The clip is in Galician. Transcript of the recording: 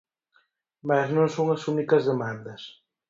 Mais non son as únicas demandas.